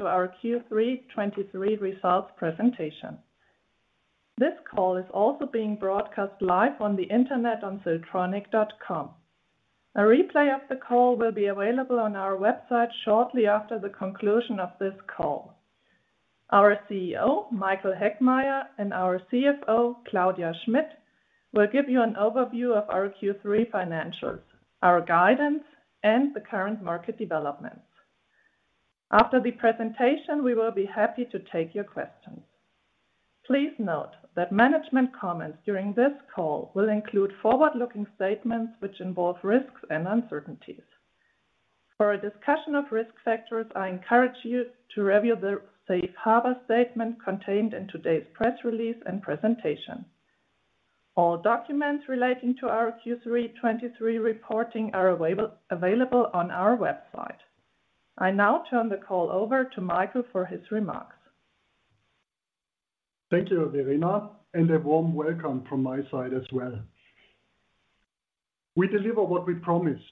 to our Q3 2023 results presentation. This call is also being broadcast live on the internet on siltronic.com. A replay of the call will be available on our website shortly after the conclusion of this call. Our CEO, Michael Heckmeier, and our CFO, Claudia Schmitt, will give you an overview of our Q3 financials, our guidance, and the current market developments. After the presentation, we will be happy to take your questions. Please note that management comments during this call will include forward-looking statements, which involve risks and uncertainties. For a discussion of risk factors, I encourage you to review the safe harbor statement contained in today's press release and presentation. All documents relating to our Q3 2023 reporting are available on our website. I now turn the call over to Michael for his remarks. Thank you, Verena, and a warm welcome from my side as well. We deliver what we promised.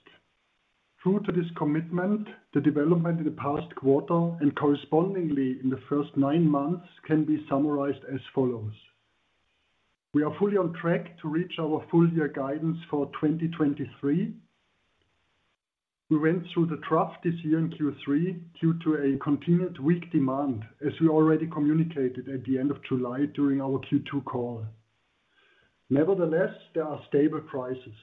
True to this commitment, the development in the past quarter and correspondingly in the first nine months, can be summarized as follows: We are fully on track to reach our full year guidance for 2023. We went through the trough this year in Q3 due to a continued weak demand, as we already communicated at the end of July during our Q2 call. Nevertheless, there are stable prices.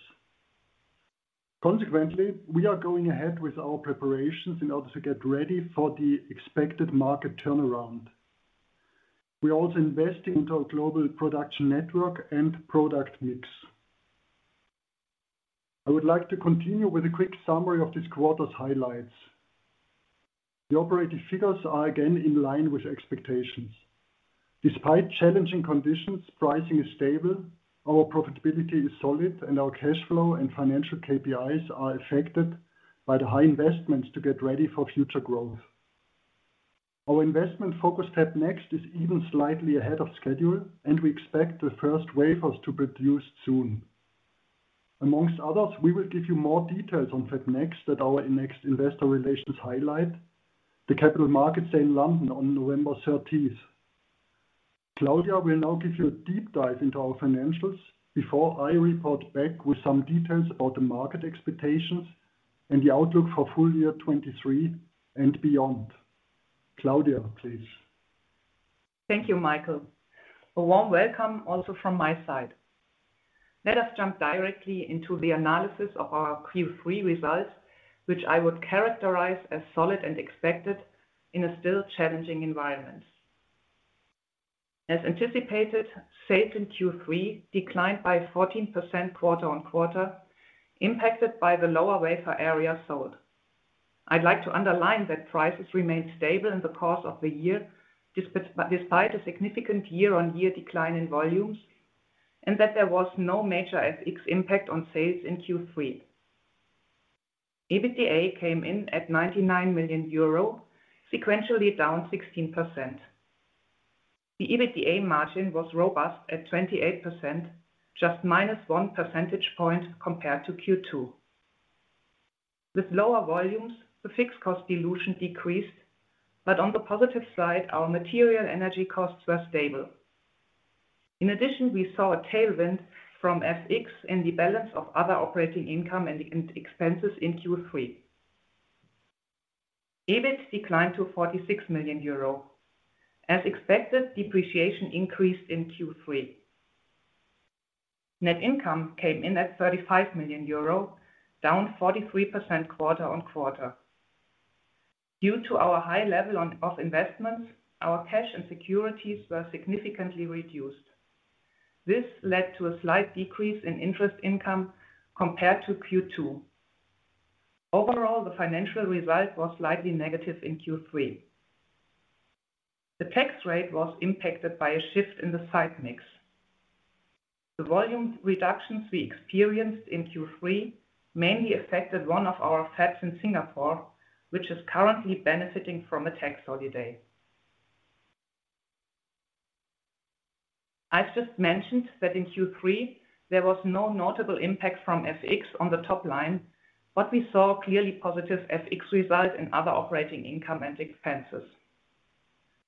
Consequently, we are going ahead with our preparations in order to get ready for the expected market turnaround. We are also investing into our global production network and product mix. I would like to continue with a quick summary of this quarter's highlights. The operating figures are again in line with expectations. Despite challenging conditions, pricing is stable, our profitability is solid, and our cash flow and financial KPIs are affected by the high investments to get ready for future growth. Our investment focus, Fab Next, is even slightly ahead of schedule, and we expect the first wafers to produce soon. Among others, we will give you more details on Fab Next at our next investor relations highlight, the Capital Markets Day in London on November 13. Claudia will now give you a deep dive into our financials before I report back with some details about the market expectations and the outlook for full year 2023 and beyond. Claudia, please. Thank you, Michael. A warm welcome also from my side. Let us jump directly into the analysis of our Q3 results, which I would characterize as solid and expected in a still challenging environment. As anticipated, sales in Q3 declined by 14% quarter-on-quarter, impacted by the lower wafer area sold. I'd like to underline that prices remained stable in the course of the year, despite a significant year-on-year decline in volumes, and that there was no major FX impact on sales in Q3. EBITDA came in at 99 million euro, sequentially down 16%. The EBITDA margin was robust at 28%, just minus 1 percentage point compared to Q2. With lower volumes, the fixed cost dilution decreased, but on the positive side, our material energy costs were stable. In addition, we saw a tailwind from FX in the balance of other operating income and expenses in Q3. EBIT declined to 46 million euro. As expected, depreciation increased in Q3. Net income came in at 35 million euro, down 43% quarter-on-quarter. Due to our high level of investments, our cash and securities were significantly reduced. This led to a slight decrease in interest income compared to Q2. Overall, the financial result was slightly negative in Q3. The tax rate was impacted by a shift in the site mix. The volume reductions we experienced in Q3 mainly affected one of our fabs in Singapore, which is currently benefiting from a tax holiday. I've just mentioned that in Q3, there was no notable impact from FX on the top line, but we saw a clearly positive FX result in other operating income and expenses.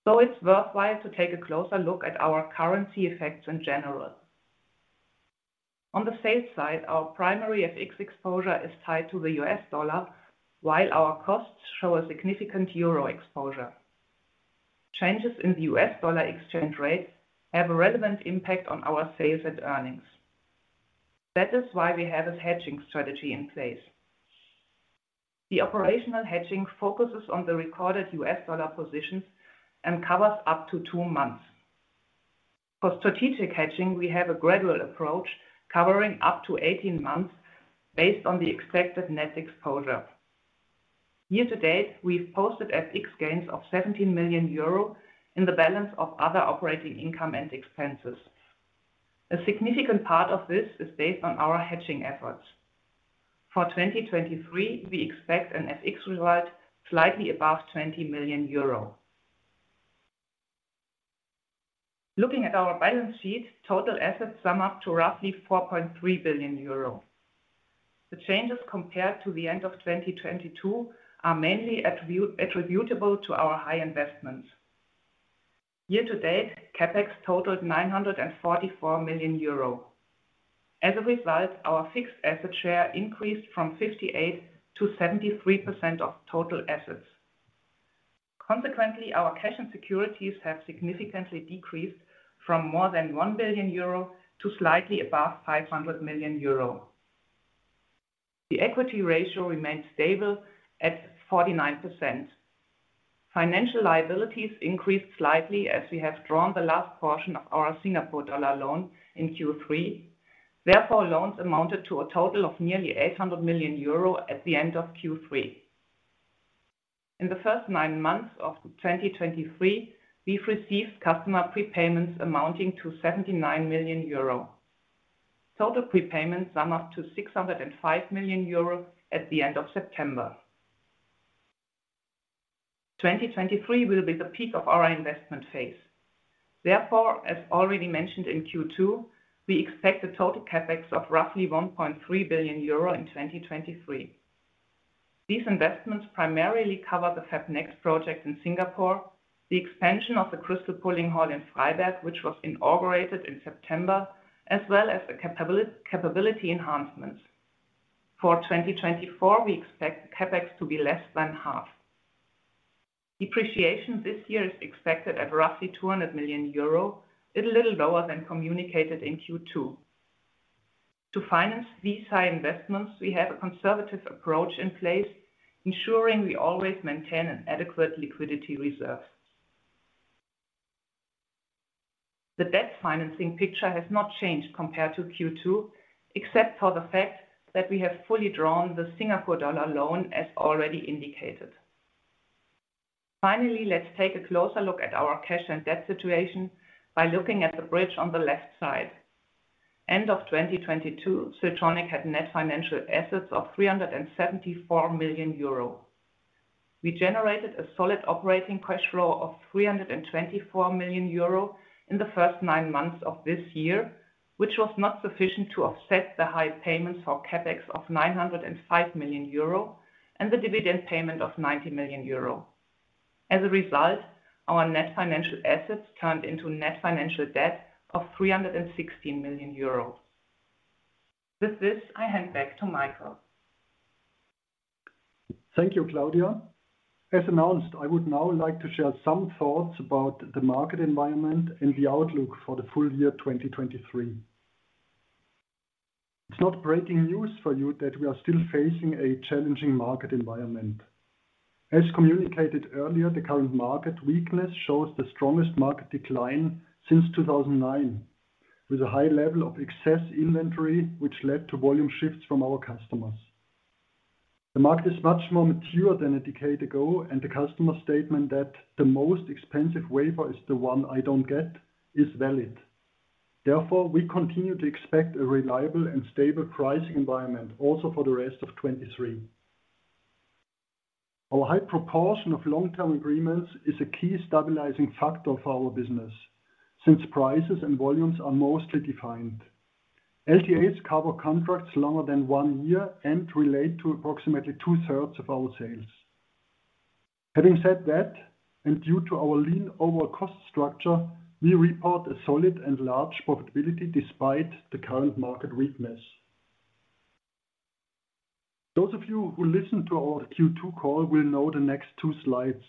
So it's worthwhile to take a closer look at our currency effects in general. On the sales side, our primary FX exposure is tied to the US dollar, while our costs show a significant euro exposure. Changes in the US dollar exchange rate have a relevant impact on our sales and earnings. That is why we have a hedging strategy in place. The operational hedging focuses on the recorded US dollar positions and covers up to two months. For strategic hedging, we have a gradual approach covering up to 18 months based on the expected net exposure. Year to date, we've posted FX gains of 17 million euro in the balance of other operating income and expenses. A significant part of this is based on our hedging efforts. For 2023, we expect an FX result slightly above 20 million euro.... Looking at our balance sheet, total assets sum up to roughly 4.3 billion euro. The changes compared to the end of 2022 are mainly attributable to our high investments. Year-to-date, CapEx totaled 944 million euro. As a result, our fixed asset share increased from 58%-73% of total assets. Consequently, our cash and securities have significantly decreased from more than 1 billion euro to slightly above 500 million euro. The equity ratio remains stable at 49%. Financial liabilities increased slightly as we have drawn the last portion of our Singapore dollar loan in Q3. Therefore, loans amounted to a total of nearly 800 million euro at the end of Q3. In the first nine months of 2023, we've received customer prepayments amounting to 79 million euro. Total prepayments sum up to 605 million euro at the end of September. 2023 will be the peak of our investment phase. Therefore, as already mentioned in Q2, we expect a total CapEx of roughly 1.3 billion euro in 2023. These investments primarily cover the Fab Next project in Singapore, the expansion of the crystal pulling hall in Freiberg, which was inaugurated in September, as well as the capability enhancements. For 2024, we expect CapEx to be less than half. Depreciation this year is expected at roughly 200 million euro. It's a little lower than communicated in Q2. To finance these high investments, we have a conservative approach in place, ensuring we always maintain an adequate liquidity reserve. The debt financing picture has not changed compared to Q2, except for the fact that we have fully drawn the Singapore dollar loan, as already indicated. Finally, let's take a closer look at our cash and debt situation by looking at the bridge on the left side. End of 2022, Siltronic had net financial assets of 374 million euro. We generated a solid operating cash flow of 324 million euro in the first nine months of this year, which was not sufficient to offset the high payments for CapEx of 905 million euro and the dividend payment of 90 million euro. As a result, our net financial assets turned into net financial debt of 316 million euros. With this, I hand back to Michael. Thank you, Claudia. As announced, I would now like to share some thoughts about the market environment and the outlook for the full year 2023. It's not breaking news for you that we are still facing a challenging market environment. As communicated earlier, the current market weakness shows the strongest market decline since 2009, with a high level of excess inventory, which led to volume shifts from our customers. The market is much more mature than a decade ago, and the customer statement that, "The most expensive wafer is the one I don't get," is valid. Therefore, we continue to expect a reliable and stable pricing environment also for the rest of 2023. Our high proportion of long-term agreements is a key stabilizing factor for our business, since prices and volumes are mostly defined. LTAs cover contracts longer than one year and relate to approximately two-thirds of our sales. Having said that, and due to our lean overall cost structure, we report a solid and large profitability despite the current market weakness. Those of you who listened to our Q2 call will know the next two slides.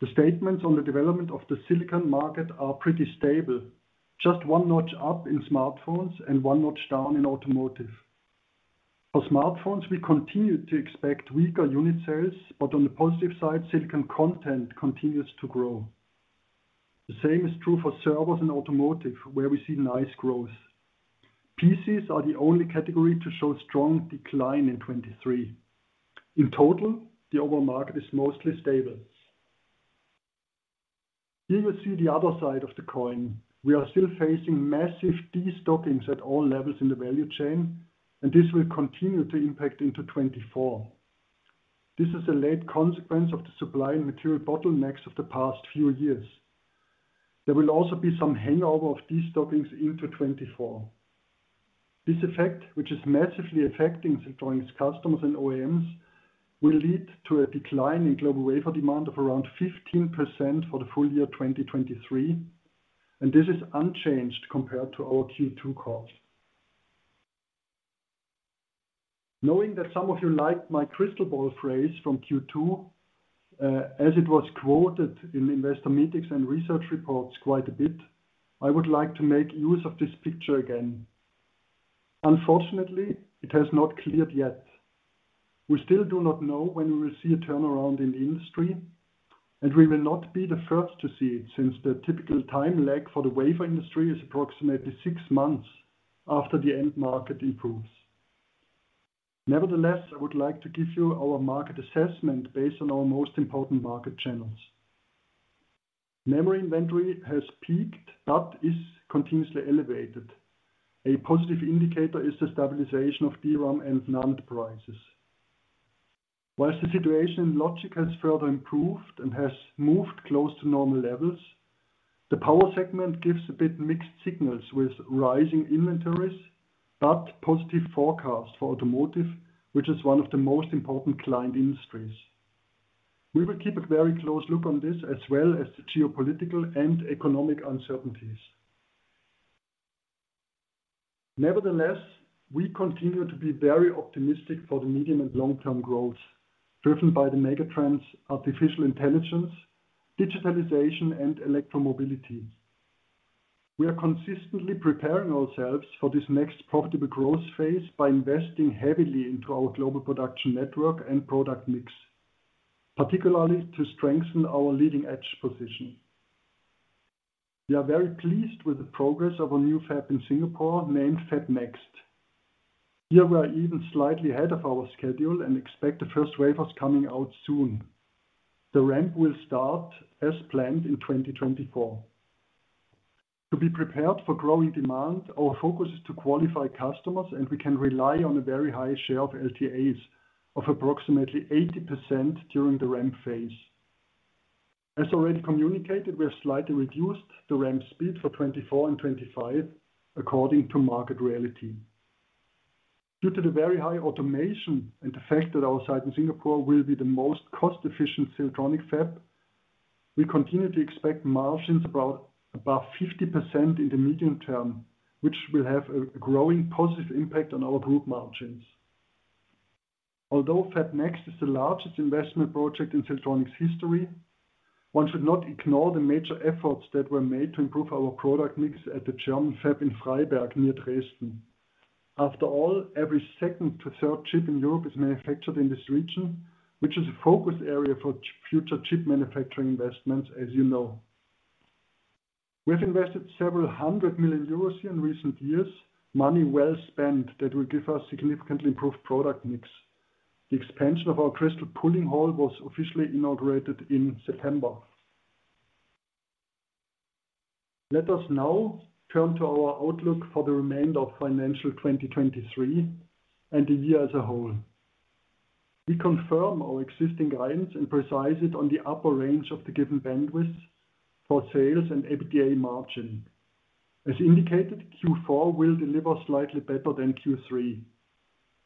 The statements on the development of the silicon market are pretty stable, just one notch up in smartphones and one notch down in automotive. For smartphones, we continue to expect weaker unit sales, but on the positive side, silicon content continues to grow. The same is true for servers and automotive, where we see nice growth. PCs are the only category to show strong decline in 2023. In total, the overall market is mostly stable. Here you see the other side of the coin. We are still facing massive destockings at all levels in the value chain, and this will continue to impact into 2024. This is a late consequence of the supply and material bottlenecks of the past few years. There will also be some hangover of destockings into 2024. This effect, which is massively affecting Siltronic's customers and OEMs, will lead to a decline in global wafer demand of around 15% for the full year 2023, and this is unchanged compared to our Q2 calls. Knowing that some of you liked my crystal ball phrase from Q2, as it was quoted in investor meetings and research reports quite a bit, I would like to make use of this picture again. Unfortunately, it has not cleared yet. We still do not know when we will see a turnaround in the industry, and we will not be the first to see it, since the typical time lag for the wafer industry is approximately six months after the end market improves. Nevertheless, I would like to give you our market assessment based on our most important market channels. Memory inventory has peaked but is continuously elevated. A positive indicator is the stabilization of DRAM and NAND prices. While the situation in logic has further improved and has moved close to normal levels, the power segment gives a bit mixed signals with rising inventories, but positive forecast for automotive, which is one of the most important client industries. We will keep a very close look on this, as well as the geopolitical and economic uncertainties. Nevertheless, we continue to be very optimistic for the medium and long-term growth, driven by the mega trends, artificial intelligence, digitalization, and electromobility. We are consistently preparing ourselves for this next profitable growth phase by investing heavily into our global production network and product mix, particularly to strengthen our leading-edge position. We are very pleased with the progress of our new fab in Singapore, named Fab Next. Here we are even slightly ahead of our schedule and expect the first wafers coming out soon. The ramp will start as planned in 2024. To be prepared for growing demand, our focus is to qualify customers, and we can rely on a very high share of LTAs of approximately 80% during the ramp phase. As already communicated, we have slightly reduced the ramp speed for 2024 and 2025 according to market reality. Due to the very high automation and the fact that our site in Singapore will be the most cost-efficient Siltronic fab, we continue to expect margins about above 50% in the medium term, which will have a growing positive impact on our group margins. Although Fab Next is the largest investment project in Siltronic's history, one should not ignore the major efforts that were made to improve our product mix at the German fab in Freiberg, near Dresden. After all, every second to third chip in Europe is manufactured in this region, which is a focus area for future chip manufacturing investments, as you know. We've invested several hundred million EUR here in recent years, money well spent, that will give us significantly improved product mix. The expansion of our crystal pulling hall was officially inaugurated in September. Let us now turn to our outlook for the remainder of financial 2023 and the year as a whole. We confirm our existing guidance and place it on the upper range of the given bandwidth for sales and EBITDA margin. As indicated, Q4 will deliver slightly better than Q3.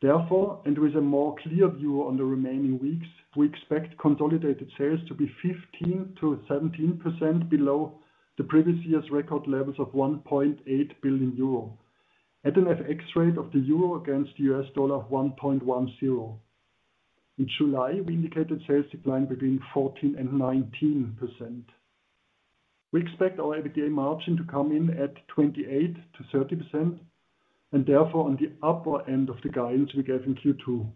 Therefore, and with a more clear view on the remaining weeks, we expect consolidated sales to be 15%-17% below the previous year's record levels of 1.8 billion euro, at an FX rate of the euro against the U.S. dollar of 1.10. In July, we indicated sales decline between 14% and 19%. We expect our EBITDA margin to come in at 28%-30%, and therefore, on the upper end of the guidance we gave in Q2.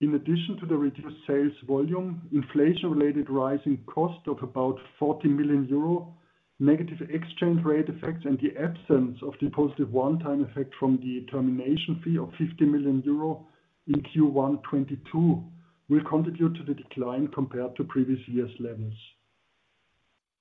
In addition to the reduced sales volume, inflation-related rising cost of about 40 million euro, negative exchange rate effects, and the absence of the positive one-time effect from the termination fee of 50 million euro in Q1 2022 will contribute to the decline compared to previous year's levels.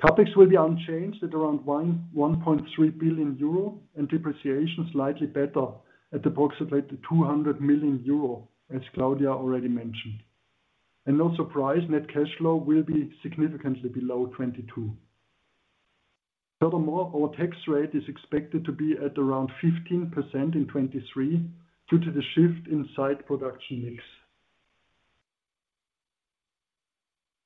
CapEx will be unchanged at around 1.1-1.3 billion euro, and depreciation slightly better at approximately 200 million euro, as Claudia already mentioned. And no surprise, net cash flow will be significantly below 2022. Furthermore, our tax rate is expected to be at around 15% in 2023 due to the shift in site production mix.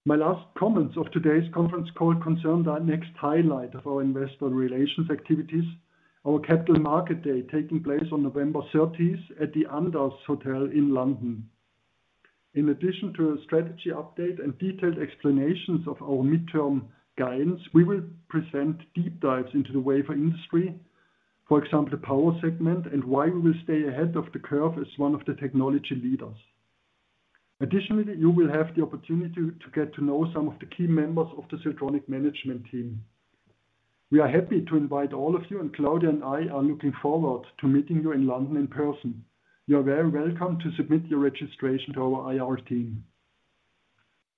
My last comments of today's conference call concern our next highlight of our investor relations activities, our Capital Market Day, taking place on November 30 at the Andaz Hotel in London. In addition to a strategy update and detailed explanations of our midterm guidance, we will present deep dives into the wafer industry, for example, the power segment, and why we will stay ahead of the curve as one of the technology leaders. Additionally, you will have the opportunity to get to know some of the key members of the Siltronic management team. We are happy to invite all of you, and Claudia and I are looking forward to meeting you in London in person. You are very welcome to submit your registration to our IR team.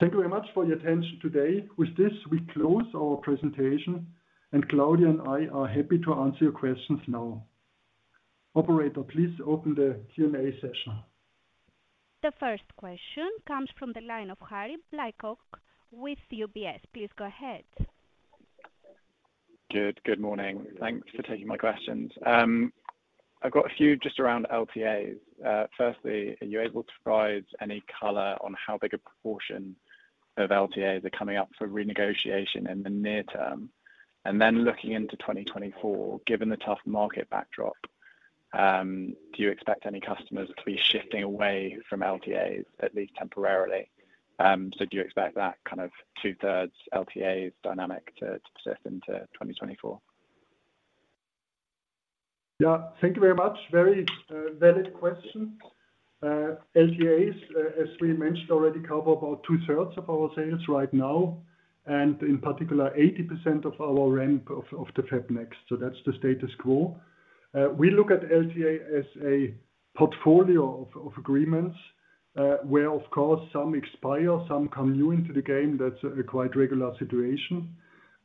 Thank you very much for your attention today. With this, we close our presentation, and Claudia and I are happy to answer your questions now. Operator, please open the Q&A session. The first question comes from the line of Harry Blaiklock with UBS. Please go ahead. Good. Good morning. Thanks for taking my questions. I've got a few just around LTAs. Firstly, are you able to provide any color on how big a proportion of LTAs are coming up for renegotiation in the near term? And then looking into 2024, given the tough market backdrop, do you expect any customers to be shifting away from LTAs, at least temporarily? So do you expect that kind of two-thirds LTAs dynamic to persist into 2024? Yeah. Thank you very much. Very valid question. LTAs, as we mentioned already, cover about two-thirds of our sales right now, and in particular, 80% of our ramp of the Fab Next. So that's the status quo. We look at LTA as a portfolio of agreements, where, of course, some expire, some come new into the game. That's a quite regular situation.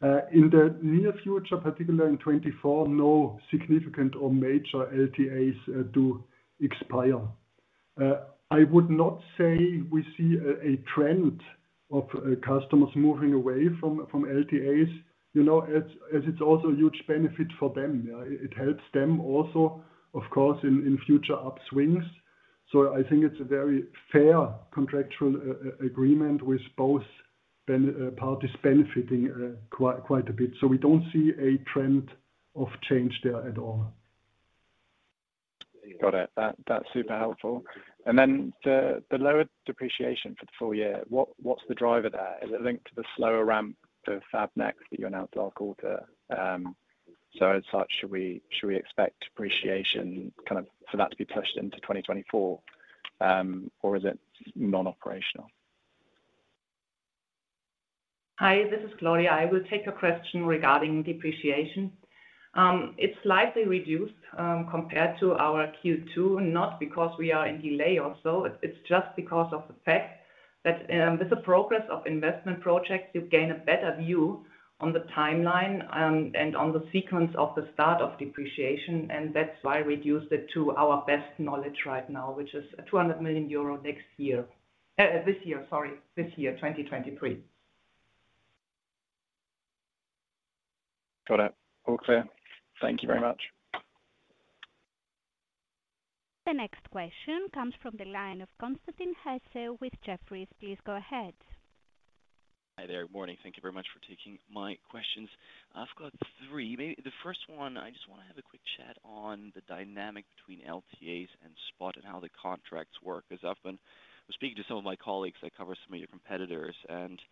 In the near future, particularly in 2024, no significant or major LTAs do expire. I would not say we see a trend of customers moving away from LTAs. You know, as it's also a huge benefit for them. It helps them also, of course, in future upswings. So I think it's a very fair contractual agreement with both parties benefiting quite a bit. We don't see a trend of change there at all. Got it. That's super helpful. And then the lower depreciation for the full year, what's the driver there? Is it linked to the slower ramp of Fab Next that you announced last quarter? So as such, should we expect depreciation kind of for that to be pushed into 2024, or is it non-operational? Hi, this is Claudia. I will take your question regarding depreciation. It's slightly reduced, compared to our Q2, not because we are in delay or so, it's just because of the fact that, with the progress of investment projects, you gain a better view on the timeline, and on the sequence of the start of depreciation, and that's why we reduced it to our best knowledge right now, which is 200 million euro next year. This year, sorry, this year, 2023. Got it. All clear. Thank you very much. The next question comes from the line of Constantin Hesse with Jefferies. Please go ahead. Hi there. Morning. Thank you very much for taking my questions. I've got three. Maybe the first one, I just wanna have a quick chat on the dynamic between LTAs and spot and how the contracts work. 'Cause I've been speaking to some of my colleagues that cover some of your competitors, and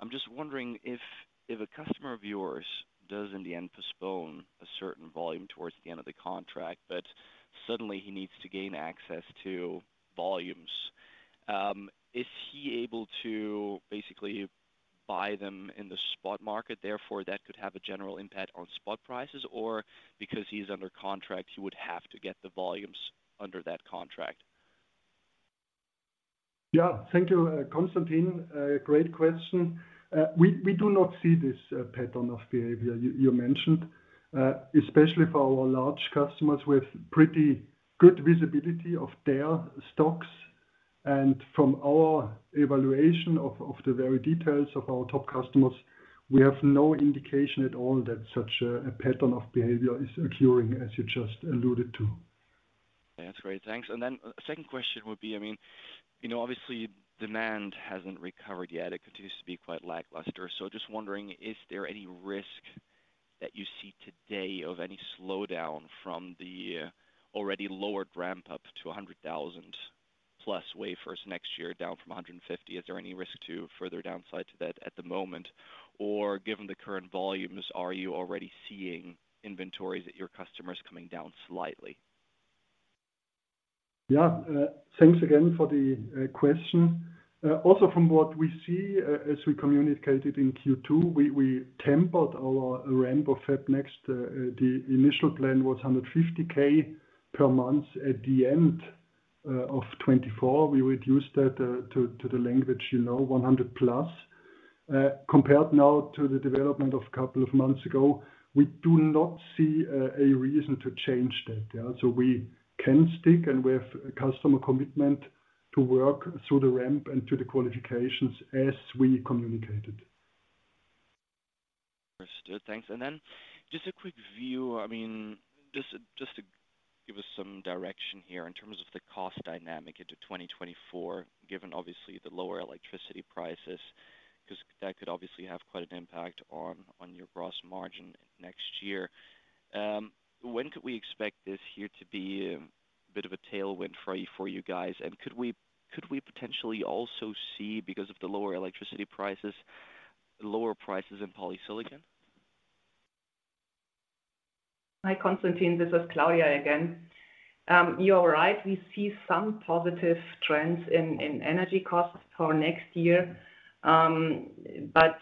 I'm just wondering if, if a customer of yours does, in the end, postpone a certain volume towards the end of the contract, but suddenly he needs to gain access to volumes, is he able to basically buy them in the spot market, therefore, that could have a general impact on spot prices? Or because he's under contract, he would have to get the volumes under that contract? Yeah. Thank you, Constantin. A great question. We do not see this pattern of behavior you mentioned, especially for our large customers with pretty good visibility of their stocks, and from our evaluation of the very details of our top customers, we have no indication at all that such a pattern of behavior is occurring, as you just alluded to. That's great. Thanks. Second question would be, I mean, you know, obviously, demand hasn't recovered yet. It continues to be quite lackluster. So just wondering, is there any risk that you see today of any slowdown from the already lowered ramp up to 100,000+ wafers next year, down from 150? Is there any risk to further downside to that at the moment? Or given the current volumes, are you already seeing inventories at your customers coming down slightly? Yeah, thanks again for the question. Also from what we see, as we communicated in Q2, we tempered our ramp of Fab Next. The initial plan was 150K per month at the end of 2024. We reduced that to the language you know, 100+. Compared now to the development of a couple of months ago, we do not see a reason to change that, yeah. So we can stick, and we have a customer commitment to work through the ramp and through the qualifications as we communicated. Understood. Thanks. And then just a quick view, I mean, just, just to give us some direction here in terms of the cost dynamic into 2024, given obviously the lower electricity prices, 'cause that could obviously have quite an impact on, on your gross margin next year. When could we expect this year to be a bit of a tailwind for you, for you guys? And could we, could we potentially also see, because of the lower electricity prices, lower prices in polysilicon? Hi, Constantine, this is Claudia again. You're right, we see some positive trends in energy costs for next year. But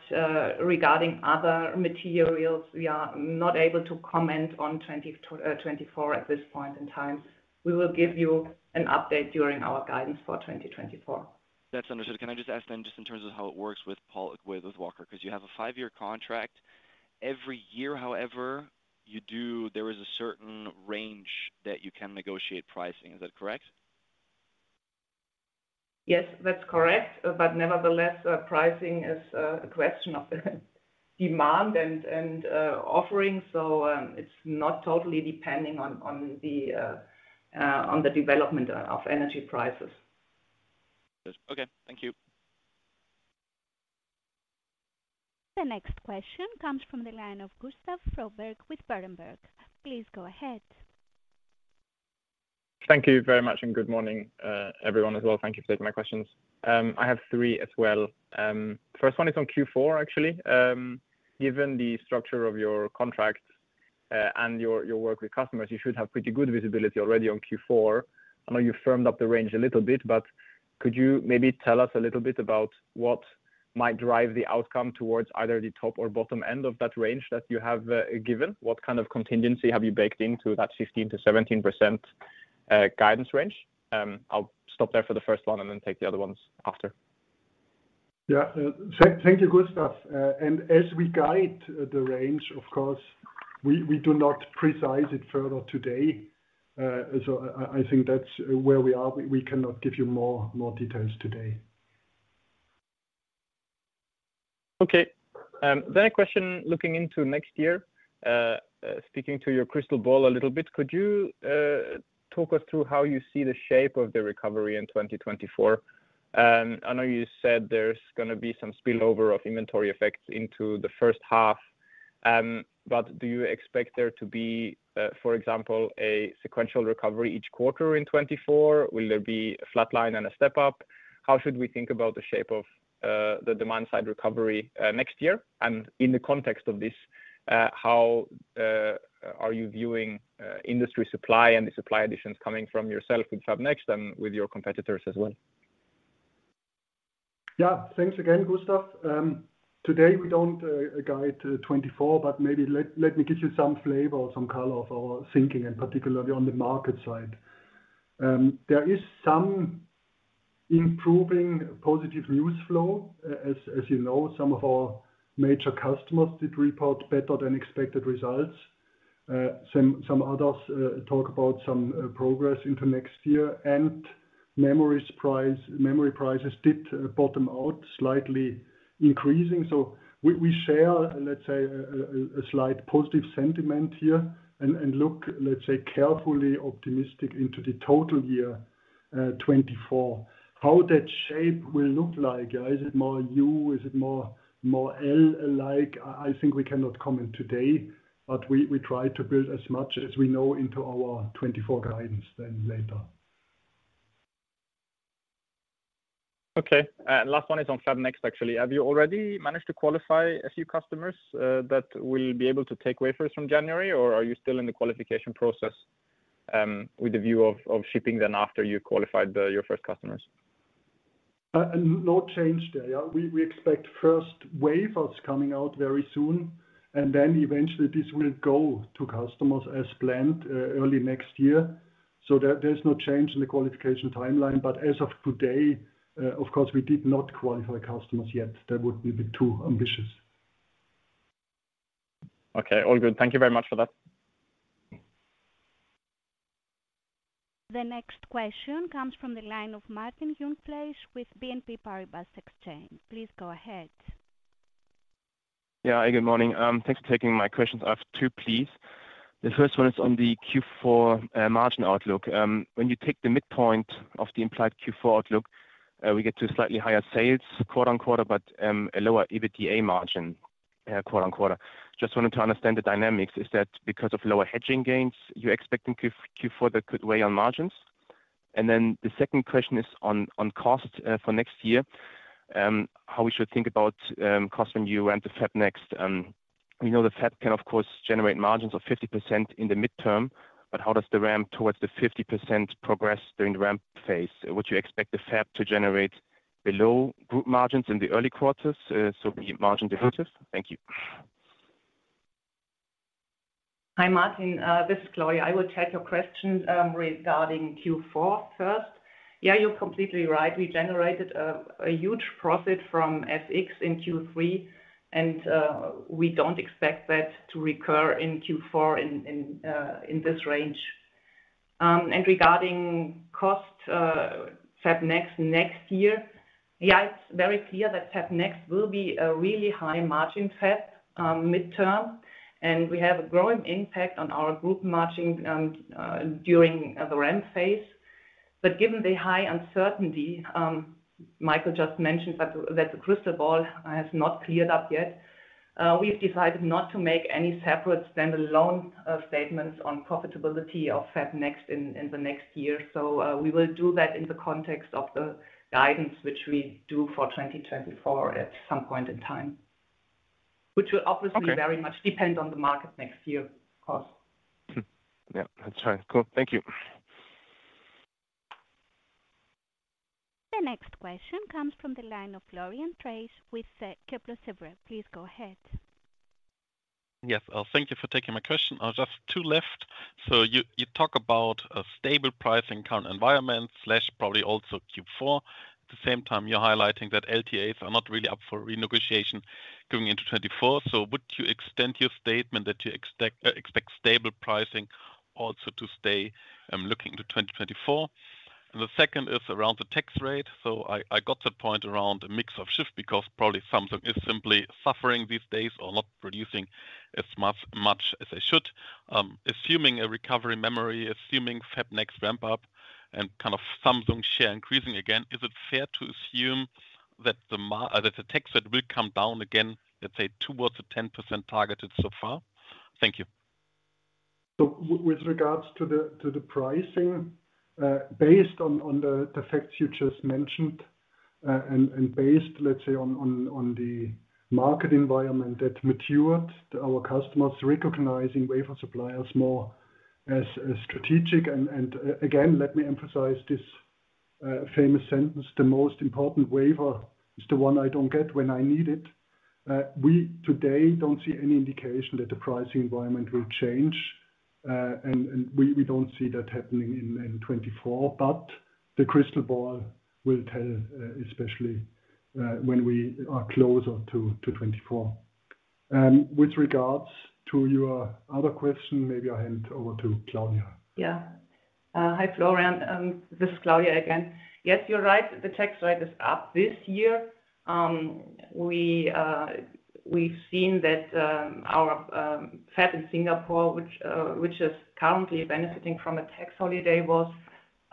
regarding other materials, we are not able to comment on 2024 at this point in time. We will give you an update during our guidance for 2024. That's understood. Can I just ask then, just in terms of how it works with Wacker, 'cause you have a five-year contract. Every year, however, there is a certain range that you can negotiate pricing. Is that correct? Yes, that's correct. But nevertheless, pricing is a question of the demand and offering. So, it's not totally depending on the development of energy prices. Okay, thank you. The next question comes from the line of Gustav Froberg with Berenberg. Please go ahead. Thank you very much, and good morning, everyone as well. Thank you for taking my questions. I have three as well. First one is on Q4, actually. Given the structure of your contracts, and your, your work with customers, you should have pretty good visibility already on Q4. I know you firmed up the range a little bit, but could you maybe tell us a little bit about what might drive the outcome towards either the top or bottom end of that range that you have, given? What kind of contingency have you baked into that 15%-17% guidance range? I'll stop there for the first one and then take the other ones after. Yeah, thank you, Gustav. And as we guide the range, of course, we do not precise it further today. So I think that's where we are. We cannot give you more details today. Okay. Then a question looking into next year. Speaking to your crystal ball a little bit, could you talk us through how you see the shape of the recovery in 2024? I know you said there's going to be some spillover of inventory effects into the first half, but do you expect there to be, for example, a sequential recovery each quarter in 2024? Will there be a flat line and a step-up? How should we think about the shape of the demand side recovery next year? And in the context of this, how are you viewing industry supply and the supply additions coming from yourself with Fab Next and with your competitors as well? Yeah. Thanks again, Gustav. Today, we don't guide to 2024, but maybe let me give you some flavor or some color of our thinking, and particularly on the market side. There is some improving positive news flow. As you know, some of our major customers did report better than expected results. Some others talk about some progress into next year. And memory prices did bottom out, slightly increasing. So we share, let's say, a slight positive sentiment here and look, let's say, carefully optimistic into the total year, 2024. How that shape will look like, is it more U, is it more L alike? I think we cannot comment today, but we try to build as much as we know into our 2024 guidance then later. Okay. Last one is on Fab Next, actually. Have you already managed to qualify a few customers that will be able to take wafers from January, or are you still in the qualification process with the view of shipping then after you qualified your first customers? No change there. Yeah, we expect first wafers coming out very soon, and then eventually this will go to customers as planned, early next year. So, there's no change in the qualification timeline, but as of today, of course, we did not qualify customers yet. That would be a bit too ambitious. Okay, all good. Thank you very much for that. The next question comes from the line of Martin Jungfleisch with BNP Paribas Exane. Please go ahead. Yeah. Good morning. Thanks for taking my questions. I have two, please. The first one is on the Q4 margin outlook. When you take the midpoint of the implied Q4 outlook, we get to slightly higher sales quarter-over-quarter, but a lower EBITDA margin quarter-over-quarter. Just wanted to understand the dynamics. Is that because of lower hedging gains you're expecting Q4 that could weigh on margins? And then the second question is on cost for next year, how we should think about cost when you ramp the Fab Next? We know the Fab can, of course, generate margins of 50% in the midterm, but how does the ramp towards the 50% progress during the ramp phase? Would you expect the Fab to generate below group margins in the early quarters, so be margin dilutive? Thank you. Hi, Martin, this is Claudia. I will take your question regarding Q4 first. Yeah, you're completely right. We generated a huge profit from FX in Q3, and we don't expect that to recur in Q4 in this range. And regarding cost, Fab Next, next year, yeah, it's very clear that Fab Next will be a really high margin Fab midterm, and we have a growing impact on our group margin during the ramp phase. But given the high uncertainty, Michael just mentioned that the crystal ball has not cleared up yet, we've decided not to make any separate standalone statements on profitability of Fab Next in the next year. So, we will do that in the context of the guidance which we do for 2024 at some point in time, which will obviously- Okay. Very much depend on the market next year, of course. Hmm. Yeah, that's right. Cool. Thank you. The next question comes from the line of Florian Treisch with Kepler Cheuvreux. Please go ahead. Yes. Thank you for taking my question. Just two left. So you talk about a stable pricing current environment slash probably also Q4. At the same time, you're highlighting that LTAs are not really up for renegotiation going into 2024. So would you extend your statement that you expect stable pricing also to stay, looking to 2024? And the second is around the tax rate. So I got the point around the mix of shift because probably Samsung is simply suffering these days or not producing as much as they should. Assuming a recovery memory, assuming Fab Next ramp up and kind of Samsung share increasing again, is it fair to assume that the tax rate will come down again, let's say, towards the 10% targeted so far? Thank you. So with regards to the pricing, based on the facts you just mentioned, and based, let's say, on the market environment that matured our customers recognizing wafer suppliers more as a strategic. And again, let me emphasize this, famous sentence, the most important wafer is the one I don't get when I need it. We today don't see any indication that the pricing environment will change. And we don't see that happening in 2024, but the crystal ball will tell, especially, when we are closer to 2024. With regards to your other question, maybe I hand over to Claudia. Yeah. Hi, Florian, this is Claudia again. Yes, you're right, the tax rate is up this year. We've seen that our fab in Singapore, which is currently benefiting from a tax holiday, was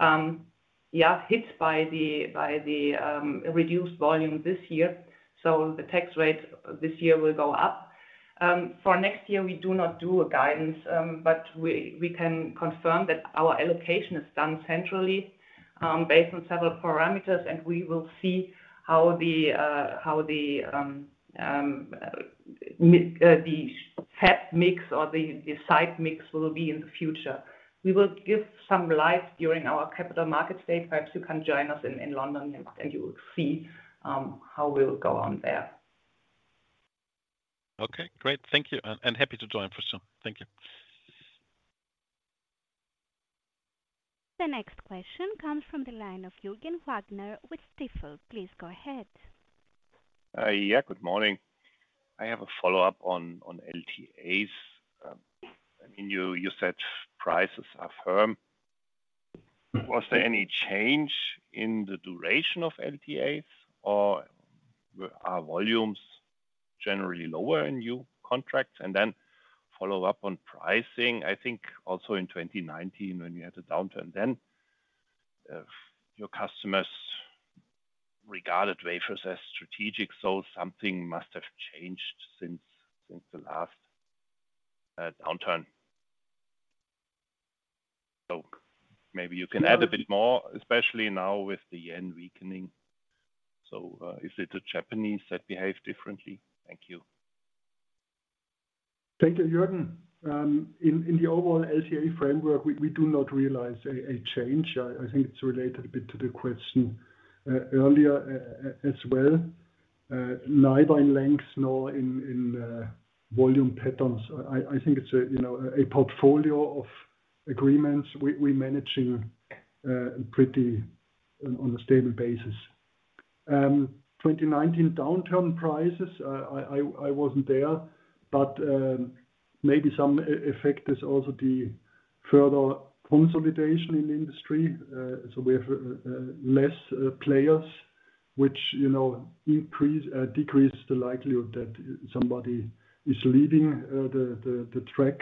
hit by the reduced volume this year. So the tax rate this year will go up. For next year, we do not do a guidance, but we can confirm that our allocation is done centrally, based on several parameters, and we will see how the fab mix or the site mix will be in the future. We will give some light during our Capital Markets Day. Perhaps you can join us in London, and you will see how we will go on there. Okay, great. Thank you. And happy to join for sure. Thank you. The next question comes from the line of Please go ahead. Yeah, good morning. I have a follow-up on LTAs. I mean, you said prices are firm. Mm-hmm. Was there any change in the duration of LTAs, or are volumes generally lower in new contracts? And then follow up on pricing. I think also in 2019, when you had a downturn then, your customers regarded wafers as strategic, so something must have changed since the last downturn. So maybe you can add- Yeah a bit more, especially now with the yen weakening. So, is it the Japanese that behave differently? Thank you. Thank you, Jurgen. In the overall LTA framework, we do not realize a change. I think it's related a bit to the question earlier as well, neither in length nor in volume patterns. I think it's, you know, a portfolio of agreements we managing pretty and on a stable basis. 2019 downturn prices, I wasn't there, but maybe some effect is also the further consolidation in the industry. So we have less players, which, you know, decrease the likelihood that somebody is leaving the track.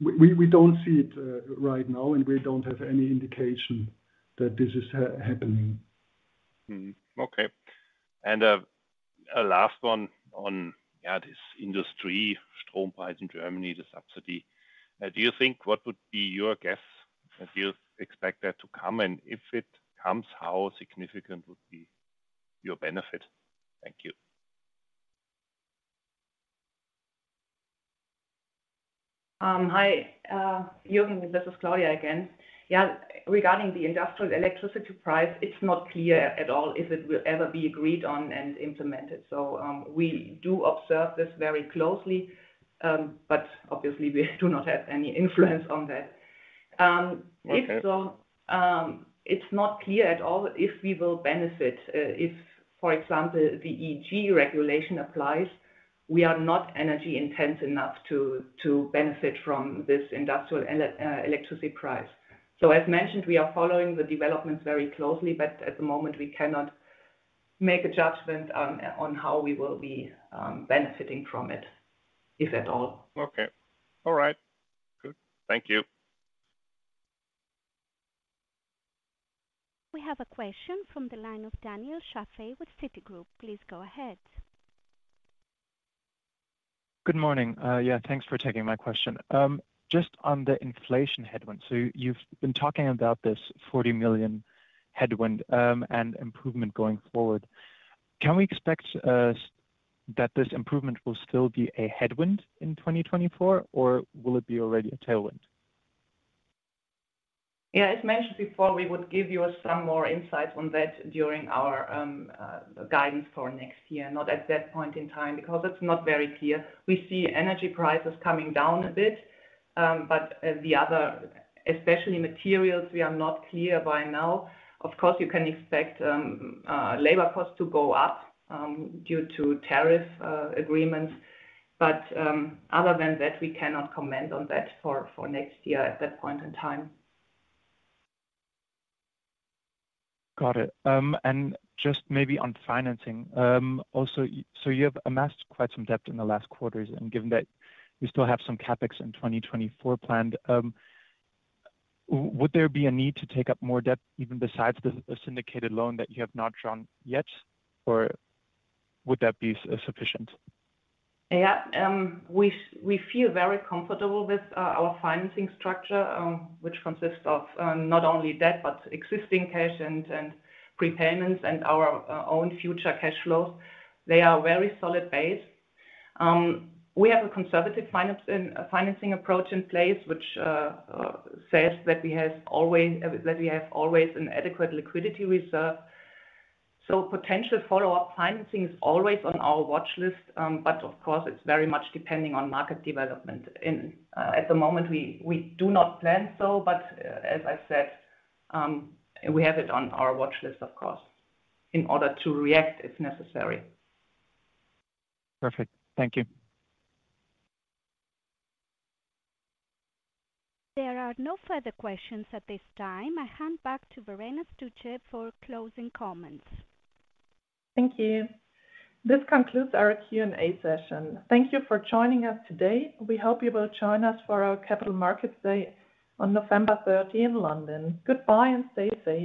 We don't see it right now, and we don't have any indication that this is happening. Mm-hmm. Okay. And a last one on, yeah, this industry, Strompreis in Germany, the subsidy. Do you think, what would be your guess, if you expect that to come? And if it comes, how significant would be your benefit? Thank you. Hi, Jurgen, this is Claudia again. Yeah, regarding the industrial electricity price, it's not clear at all if it will ever be agreed on and implemented. So, we do observe this very closely, but obviously, we do not have any influence on that. Okay. If so, it's not clear at all if we will benefit. If, for example, the EEG regulation applies, we are not energy intense enough to benefit from this industrial electricity price. So as mentioned, we are following the developments very closely, but at the moment, we cannot make a judgment on how we will be benefiting from it, if at all. Okay. All right, good. Thank you. We have a question from the line of Daniel Schafei with Citigroup. Please go ahead. Good morning. Yeah, thanks for taking my question. Just on the inflation headwinds. So you've been talking about this 40 million headwind, and improvement going forward. Can we expect that this improvement will still be a headwind in 2024, or will it be already a tailwind? Yeah, as mentioned before, we would give you some more insight on that during our guidance for next year, not at that point in time, because it's not very clear. We see energy prices coming down a bit, but the other, especially materials, we are not clear by now. Of course, you can expect labor costs to go up due to tariff agreements. But other than that, we cannot comment on that for next year at that point in time. Got it. And just maybe on financing. Also, so you have amassed quite some debt in the last quarters, and given that you still have some CapEx in 2024 planned, would there be a need to take up more debt, even besides the syndicated loan that you have not drawn yet, or would that be sufficient? Yeah. We, we feel very comfortable with our financing structure, which consists of not only debt, but existing cash and prepayments and our own future cash flows. They are very solid base. We have a conservative finance, financing approach in place, which says that we have always an adequate liquidity reserve. So potential follow-up financing is always on our watchlist, but of course, it's very much depending on market development. And at the moment, we do not plan so, but as I said, we have it on our watchlist, of course, in order to react if necessary. Perfect. Thank you. There are no further questions at this time. I hand back to Verena Stütze for closing comments. Thank you. This concludes our Q&A session. Thank you for joining us today. We hope you will join us for our Capital Markets Day on November 30 in London. Goodbye, and stay safe.